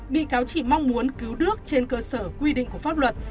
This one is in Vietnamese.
bị cáo chỉ mong muốn cứu nước trên cơ sở quy định của pháp luật